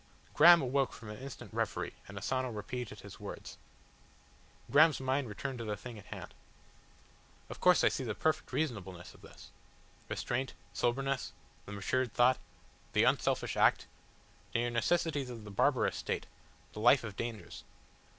Graham awoke from an instant reverie and Asano repeated his words. Graham's mind returned to the thing at hand. "Of course I see the perfect reasonableness of this. Restraint, soberness, the matured thought, the unselfish act, they are necessities of the barbarous state, the life of dangers.